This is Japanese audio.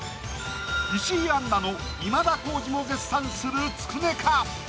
石井杏奈の今田耕司も絶賛するつくねか？